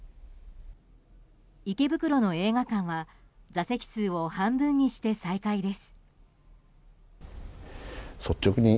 池袋の映画館は座席数を半分にして再開です。